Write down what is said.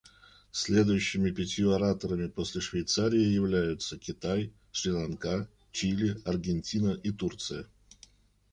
Следующими пятью ораторами после Швейцарии являются: Китай, Шри-Ланка, Чили, Аргентина и Турция.